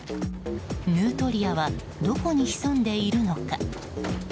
ヌートリアはどこに潜んでいるのか。